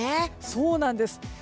そうなんです。